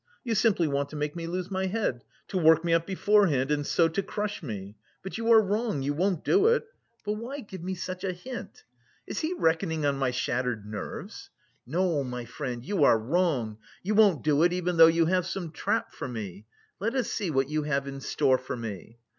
You simply want to make me lose my head, to work me up beforehand and so to crush me. But you are wrong, you won't do it! But why give me such a hint? Is he reckoning on my shattered nerves? No, my friend, you are wrong, you won't do it even though you have some trap for me... let us see what you have in store for me."